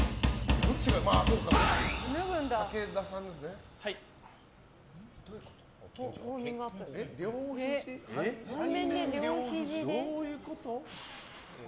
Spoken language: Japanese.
どういうこと？